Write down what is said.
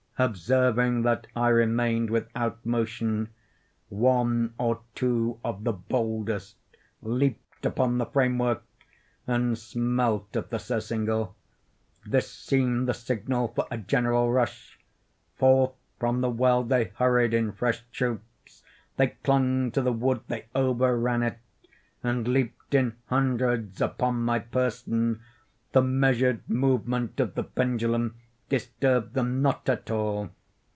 Observing that I remained without motion, one or two of the boldest leaped upon the frame work, and smelt at the surcingle. This seemed the signal for a general rush. Forth from the well they hurried in fresh troops. They clung to the wood—they overran it, and leaped in hundreds upon my person. The measured movement of the pendulum disturbed them not at all.